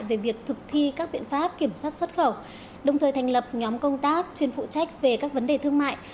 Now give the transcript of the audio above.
về việc thực thi các biện pháp kiểm soát xuất khẩu đồng thời thành lập nhóm công tác chuyên phụ trách về các vấn đề thương mại